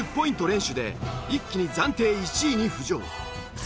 連取で一気に暫定１位に浮上！